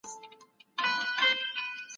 پانګه به یوازې ځانته اقتصاد پر مخ نه بیايي.